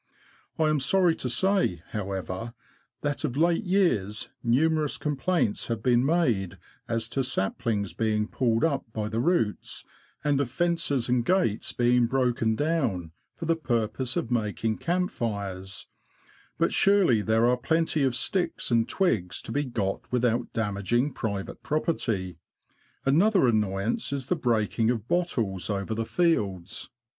I am sorry to say, how ever, that of late years numerous complaints have been made as to saplings being pulled up by the roots, and of fences and gates being broken down, for the purpose of making camp fires ; but surely there are plenty of sticks and twigs to be got without damaging private property. Another annoyance is the break ing of bottles over the fields.